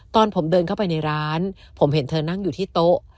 ตอนผมเดินเข้าไปในร้านผมเห็นเธอนั่งอยู่ที่โต๊ะ